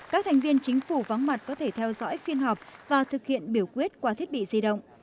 các thành viên chính phủ vắng mặt có thể theo dõi phiên họp và thực hiện biểu quyết qua thiết bị di động